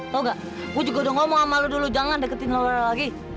tau ga gua juga udah ngomong sama lu dulu jangan deketin laura lagi